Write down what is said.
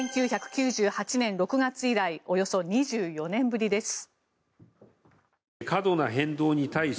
１９９８年６月以来およそ２４年ぶりです。